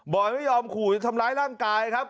อยไม่ยอมขู่จะทำร้ายร่างกายครับ